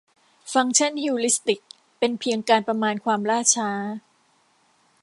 ฟังก์ชันฮิวริสติกเป็นเพียงการประมาณความล่าช้า